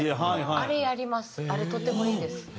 あれとてもいいです。